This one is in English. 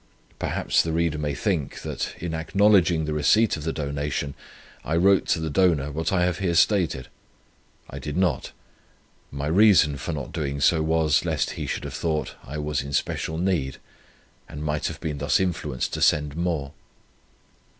Perhaps the reader may think, that in acknowledging the receipt of the donation, I wrote to the donor what I have here stated. I did not. My reason for not doing so was, lest he should have thought I was in especial need, and might have been thus influenced to send more.